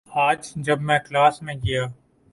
آج جب میں کلاس میں گیا